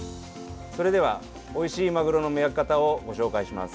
それでは、おいしいマグロの見分け方をご紹介します。